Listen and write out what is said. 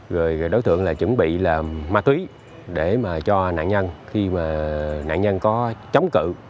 rồi đối tượng là chuẩn bị là ma túy để mà cho nạn nhân khi mà nạn nhân có chống cự